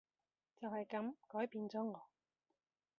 就係噉改變咗我